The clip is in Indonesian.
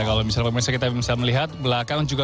kalau misalnya pemirsa kita bisa melihat belakang juga